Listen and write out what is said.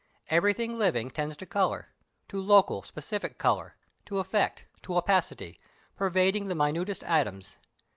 Everything living tends to colour to local, specific colour, to effect, to opacity pervading the minutest atoms.